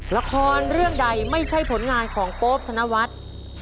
ละครเรื่องใดไม่ใช่ผลงานของโป๊ปธนวัฒน์